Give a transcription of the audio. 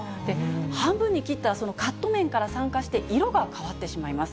半分に切ったら、そのカット面から酸化して色が変わってしまいます。